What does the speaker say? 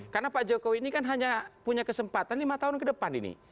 karena pak jokowi ini kan hanya punya kesempatan lima tahun ke depan ini